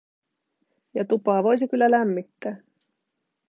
Ja tupaa voisi kyllä lämmittää.